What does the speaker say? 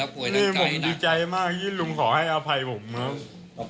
คือผมดีใจมากที่ลุงขอให้อภัยผมครับ